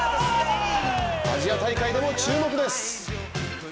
アジア大会でも注目です。